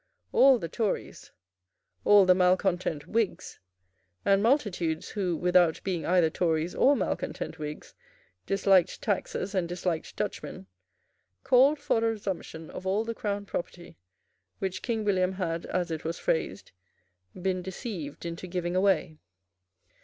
All the Tories, all the malecontent Whigs, and multitudes who, without being either Tories or malecontent Whigs, disliked taxes and disliked Dutchmen, called for a resumption of all the Crown property which King William had, as it was phrased, been deceived into giving away.